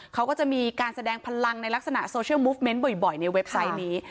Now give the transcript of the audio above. เขาก็จะมีการแสดงพลังในลักษณะโซเชียลมูฟเมนต์บ่อยในเว็บไซต์นี้